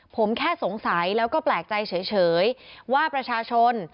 ผมแค่สงสัยแล้วก็แปลกใจเฉยว่าประชาชน